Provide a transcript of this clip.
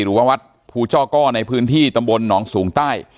หรือว่าวัดภูจ้อก้อในพื้นที่ตำบลหนองสูงใต้